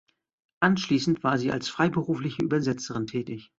Anschließend war sie als freiberufliche Übersetzerin tätig.